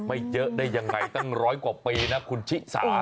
ไม่เยอะได้ยังไงตั้งร้อยกว่าปีนะคุณชิสา